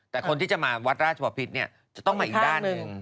แต่คนที่จะมาวัดราชบพิษเนี่ยจะต้องมาอีกด้านหนึ่ง